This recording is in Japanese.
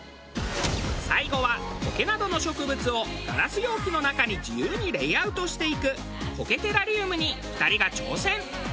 最後は苔などの植物をガラス容器の中に自由にレイアウトしていく苔テラリウムに２人が挑戦。